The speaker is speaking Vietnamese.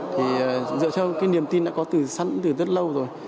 thì dựa cho cái niềm tin đã có sẵn từ rất lâu rồi